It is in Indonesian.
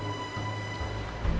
enggak enggak enggak